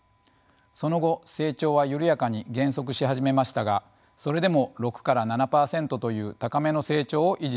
その後成長は緩やかに減速し始めましたがそれでも６から７％という高めの成長を維持していました。